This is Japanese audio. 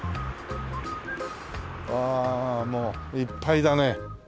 ああもういっぱいだね。